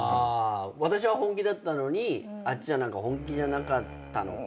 私は本気だったのにあっちは本気じゃなかったのか。